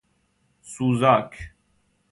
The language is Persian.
سوزاک